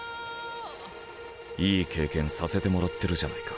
いい経験させてもらってるじゃないか。